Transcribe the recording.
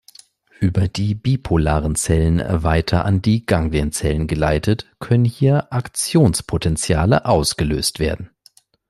Über die bipolaren Zellen weiter an die Ganglienzellen geleitet, können hier Aktionspotentiale ausgelöst werden.